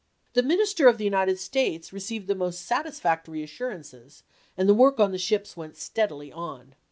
The Minister of the United States re ceived the most satisfactory assurances, and the work on the ships went steadily on.